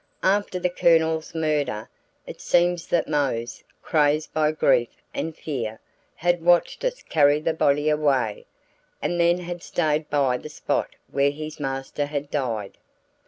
After the Colonel's murder, it seems that Mose, crazed by grief and fear, had watched us carry the body away, and then had stayed by the spot where his master had died.